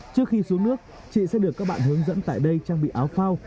trước khi xuống nước chị sẽ được các bạn hướng dẫn tại đây trang bị áo phao